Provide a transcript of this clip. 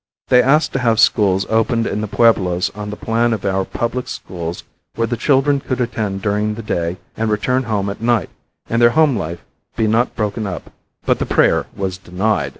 They asked to have schools opened in the pueblos on the plan of our public schools where the children could attend during the day and return home at night, and their home life be not broken up, but their prayer was denied.